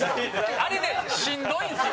あれね、しんどいんですよ。